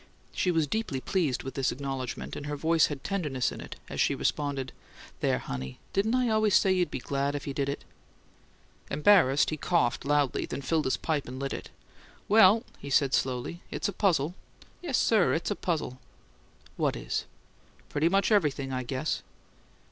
She was deeply pleased with this acknowledgment, and her voice had tenderness in it as she responded: "There, honey! Didn't I always say you'd be glad if you did it?" Embarrassed, he coughed loudly, then filled his pipe and lit it. "Well," he said, slowly, "it's a puzzle. Yes, sir, it's a puzzle." "What is?" "Pretty much everything, I guess."